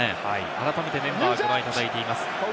改めてメンバーをご覧いただいています。